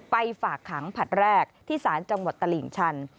ฝากขังผลัดแรกที่ศาลจังหวัดตลิ่งชัน